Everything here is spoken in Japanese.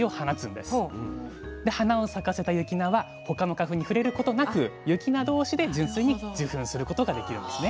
で花を咲かせた雪菜は他の花粉に触れることなく雪菜どうしで純粋に受粉することができるんですね。